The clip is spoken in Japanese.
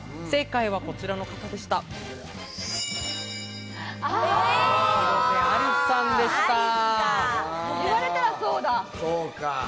正解はこちらの方でした。